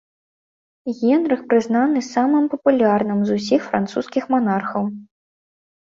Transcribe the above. Генрых прызнаны самым папулярным з усіх французскіх манархаў.